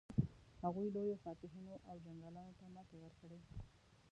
هغوی لویو فاتحینو او جنرالانو ته ماتې ورکړې.